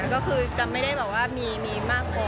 ก็คือจะไม่ได้แบบว่ามีมากพอ